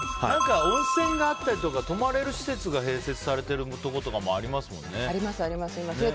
温泉があったりとか泊まれる施設が併設されているところとかもありますもんね。